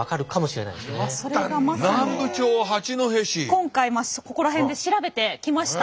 今回ここら辺で調べてきました。